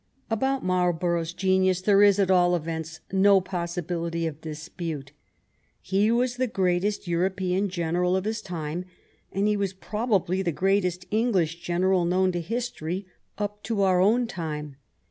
About Marlborough's genius there is, at all events, no possibility of dispute. He was the greatest Euro pean general of his time, and he was probably the greatest English general known to history up to our own time.